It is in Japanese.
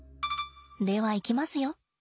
ではいきますよ。